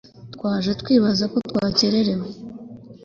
twaje twibaza ko twakerewe